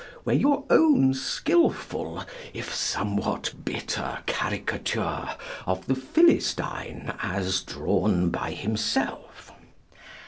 were your own skilful, if somewhat bitter caricature of the Philistine as drawn by himself.